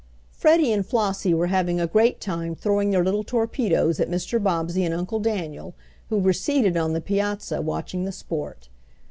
Freddie and Flossie were having a great time throwing their little torpedoes at Mr. Bobbsey and Uncle Daniel, who were seated on the piazza watching the sport.